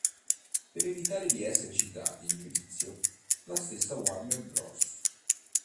Per evitare di essere citati in giudizio, la stessa Warner Bros.